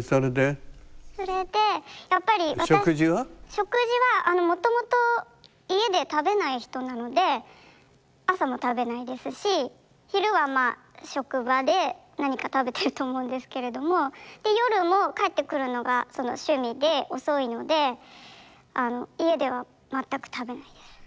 食事はもともと家で食べない人なので朝も食べないですし昼はまあ職場で何か食べてると思うんですけれどもで夜も帰ってくるのがその趣味で遅いので家では全く食べないです。